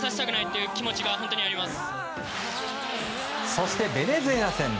そして、ベネズエラ戦。